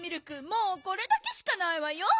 もうこれだけしかないわよ。